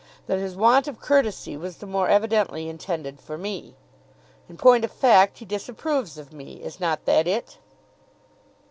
"Then his want of courtesy was the more evidently intended for me. In point of fact he disapproves of me. Is not that it?"